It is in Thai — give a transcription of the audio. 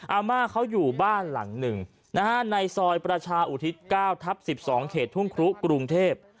อาม่าเขาอยู่บ้านหลังหนึ่งในซอยประชาอุทิศ๙ทับ๑๒เขตทุ่งครุกรุงเทพ